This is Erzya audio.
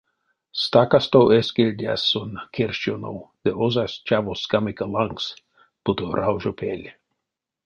Стакасто эскельдясь сон керш ёнов ды озась чаво скамика лангс, буто раужо пель.